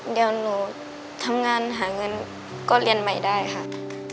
เดี๋ยวหนูทำงานหาเงินก็เรียนใหม่ได้ค่ะ